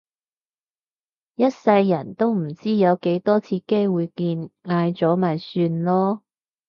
一世人都唔知有幾多次機會見嗌咗咪算囉